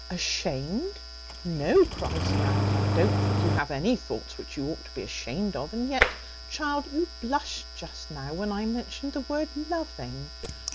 "Ashamed! no," cries the aunt, "I don't think you have any thoughts which you ought to be ashamed of; and yet, child, you blushed just now when I mentioned the word loving.